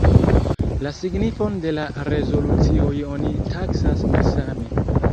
La signifon de la rezolucioj oni taksas malsame.